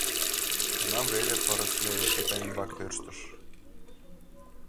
Тунам веле пырыс леве плита ӱмбак тӧрштыш.